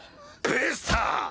ベスター！